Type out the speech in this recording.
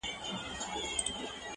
• زما دي په زړه کي لمبه وه بله -